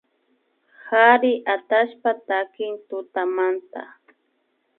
Kari atallpa takik tutamanta